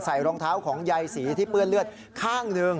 รองเท้าของยายศรีที่เปื้อนเลือดข้างหนึ่ง